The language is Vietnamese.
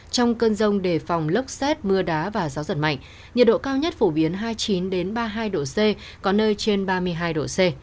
trong cơn rông đề phòng lốc xét mưa đá và gió giật mạnh nhiệt độ cao nhất phổ biến hai mươi chín ba mươi hai độ c có nơi trên ba mươi hai độ c